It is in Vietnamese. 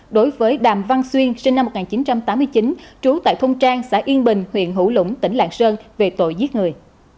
đối với đàm văn xuyên sinh năm một nghìn chín trăm tám mươi chín trú tại thôn trang xã yên bình huyện hữu lũng tỉnh lạng sơn về tội giết người